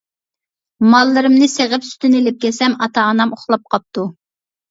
ماللىرىمنى سېغىپ، سۈتىنى ئېلىپ كەلسەم، ئاتا-ئانام ئۇخلاپ قاپتۇ.